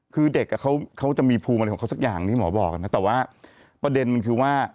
คือเด็กอ่ะเขาจะมีภูมิอะไรของเขาสักอย่างที่หมอบอกนะแต่ว่าประเด็นมันคือว่า